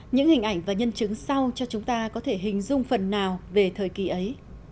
những hình ảnh và nhân chứng sau cho chúng ta có thể hình dung phần nào về thời kỳ ấy